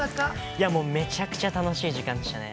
◆いやもう、めちゃくちゃ楽しい時間でしたね。